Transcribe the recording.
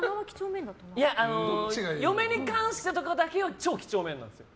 嫁に関してとかだけは超几帳面です。